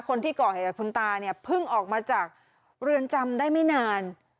คนที่เกาะเฮตคุณตาเพิ่งออกมาจากเรือนจำได้ไม่นาน